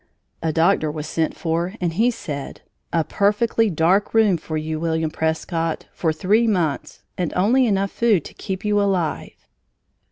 A doctor was sent for and he said: "A perfectly dark room for you, William Prescott, for three months, and only enough food to keep you alive!"